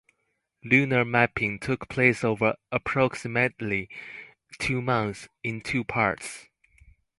Lunar mapping took place over approximately two months, in two parts.